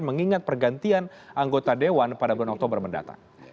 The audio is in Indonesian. mengingat pergantian anggota dewan pada bulan oktober mendatang